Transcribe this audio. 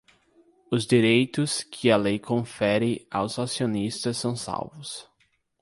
Os direitos que a lei confere aos acionistas são salvos.